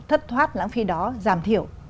thất thoát lãng phí đó giảm thiểu